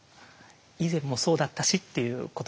以前もそうだったしっていうことですよね。